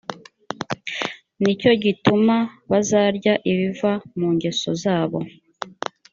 ni cyo gituma bazarya ibiva mu ngeso zabo